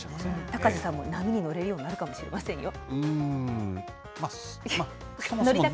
高瀬さんも波に乗れるようになるかもしれませんよ。